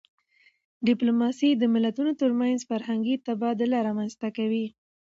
ډيپلوماسي د ملتونو ترمنځ فرهنګي تبادله رامنځته کوي.